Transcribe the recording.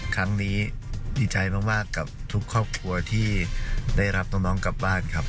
ครั้งนี้ดีใจมากกับทุกครอบครัวที่ได้รับน้องกลับบ้านครับ